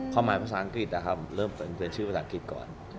ความหมายภาษาอังกฤษนะครับเริ่มเป็นชื่อภาษาอังกฤษก่อน